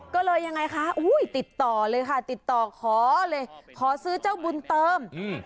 ก็เลยยังไงคะอุ้ยติดต่อเลยค่ะติดต่อขอเลยขอซื้อเจ้าบุญเติมอืม